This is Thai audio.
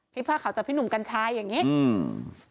ผ้าขาวจากพี่หนุ่มกัญชัยอย่างงี้อืม